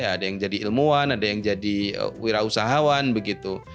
ada yang jadi ilmuwan ada yang jadi wira usahawan begitu